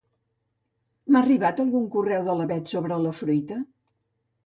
M'ha arribat algun correu de la Beth sobre la fruita?